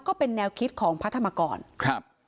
ก็เป็นแนวคิดของพระธรรมกรครับ